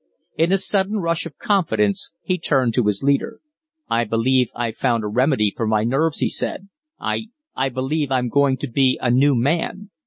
In a sudden rush of confidence he turned to his leader. "I believe I've found a remedy for my nerves," he said. "I I believe I'm going to be anew man."